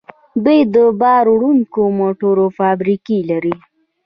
دوی د بار وړونکو موټرو فابریکې لري.